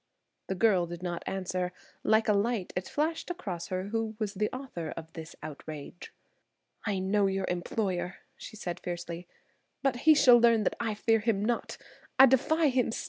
The girl did not answer. Like a light it flashed across her who was the author of this outrage. "I know your employer!" she said fiercely. "But he shall learn that I fear him not. I defy him still."